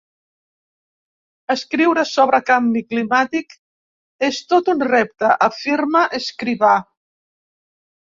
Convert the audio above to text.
Escriure sobre canvi climàtic és tot un repte –afirma Escrivà–.